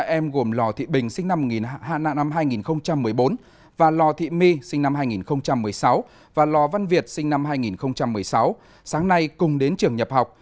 ba em gồm lò thị bình sinh năm hai nghìn một mươi bốn và lò thị my sinh năm hai nghìn một mươi sáu và lò văn việt sinh năm hai nghìn một mươi sáu sáng nay cùng đến trường nhập học